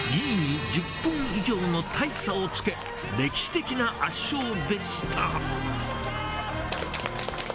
２位に１０分以上の大差をつけ、歴史的な圧勝でした。